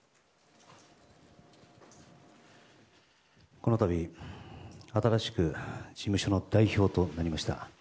この度新しく事務所の代表となりました